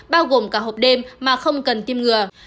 bao gồm cả hộp đêm mà không cần tiêm ngừa